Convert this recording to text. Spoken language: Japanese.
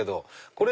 これ？